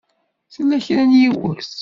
Tella kra n yiwet?